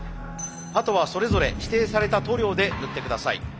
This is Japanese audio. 鳩はそれぞれ指定された塗料で塗って下さい。